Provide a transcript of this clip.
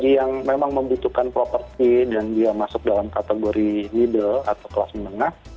yang memang membutuhkan properti dan dia masuk dalam kategori middle atau kelas menengah